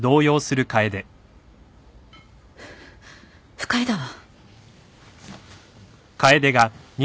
不快だわ。